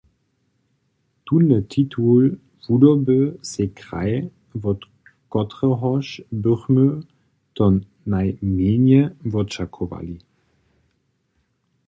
Tónle titul wudoby sej kraj, wot kotrehož bychmy to najmjenje wočakowali.